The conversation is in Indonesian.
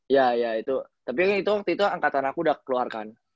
iya iya itu tapi itu waktu itu angkatan aku udah keluarkan